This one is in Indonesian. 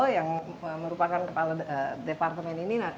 yang merupakan kepala departemen ini